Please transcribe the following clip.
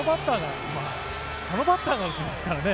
そのバッターが打ちますからね。